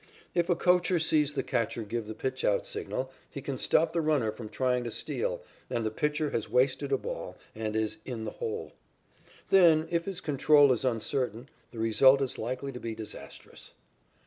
If a coacher sees the catcher give the pitchout signal he can stop the runner from trying to steal and the pitcher has wasted a ball and is "in the hole." Then if his control is uncertain the result is likely to be disastrous.